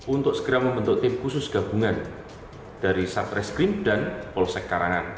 untuk segera membentuk tim khusus gabungan dari satreskrim dan polsek karangan